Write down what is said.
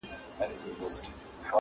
o فقير ته چي لار ورکې، د کور سر ته خېژي٫